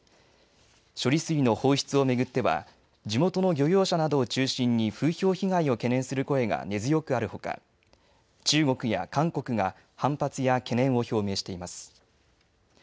処理水の放出を巡っては地元の漁業者などを中心に風評被害を懸念する声が根強くあるほか中国や韓国が反発や懸念を表明しています。